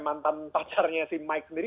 mantan pacarnya si mike sendiri